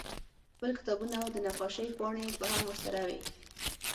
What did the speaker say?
خپل کتابونه او د نقاشۍ پاڼې به هم ورسره وې